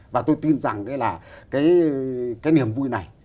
và tôi tin rằng cái niềm vui này